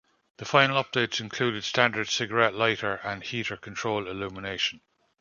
The final updates included standard cigarette lighter and heater control illumination.